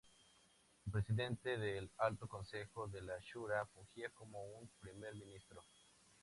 El presidente del Alto Consejo de la Shura fungía como un primer ministro.